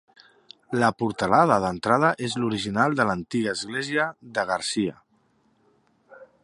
La portalada d'entrada és l'original de l'antiga església de Garcia.